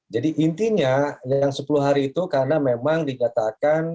jadi intinya yang sepuluh hari itu karena memang dinyatakan